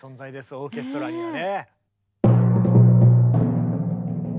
オーケストラにはね。